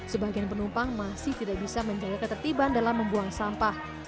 sebagian penumpang masih tidak bisa menjaga ketertiban dalam membuang sampah